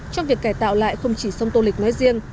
trong việc cải tạo lại không chỉ sông tô lịch nói riêng